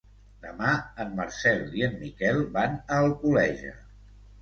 Demà en Marcel i en Miquel van a Alcoleja.